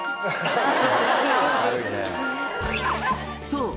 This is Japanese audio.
「そう！